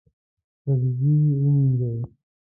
سبزي ومینځئ